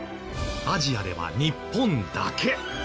アジアでは日本だけ。